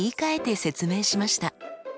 説明しました。